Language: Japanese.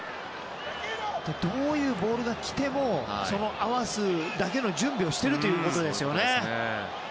どういうボールが来ても合わせるだけの準備をしているということですよね。